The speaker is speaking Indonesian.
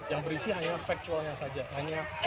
yang berisi hanya faktanya saja